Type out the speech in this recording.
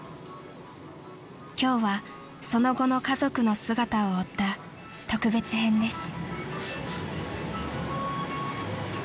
［今日はその後の家族の姿を追った特別編です］